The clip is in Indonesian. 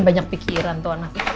banyak pikiran tuh anak